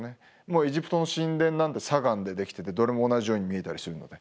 エジプトの神殿なんて砂岩でできててどれも同じように見えたりするので。